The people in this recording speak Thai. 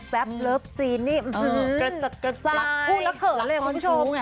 แบบลับซีนนี่รักผู้รักเผ่าเลยคุณผู้ชม